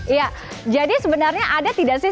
iya jadi sebenarnya ada tidak sih